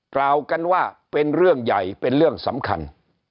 กล่าวกันว่าเป็นเรื่องใหญ่เป็นเรื่องสำคัญ